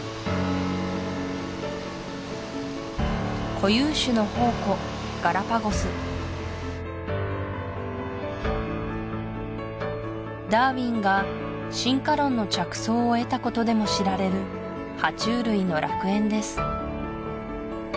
固有種の宝庫ガラパゴスダーウィンが進化論の着想を得たことでも知られる爬虫類の楽園です